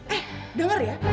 eh denger ya